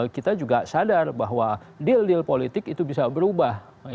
kita juga sadar bahwa deal deal politik itu bisa berubah